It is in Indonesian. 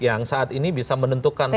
yang saat ini bisa menentukan